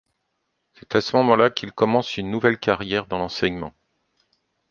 C'est à ce moment-là qu'il commence une nouvelle carrière dans l'enseignement.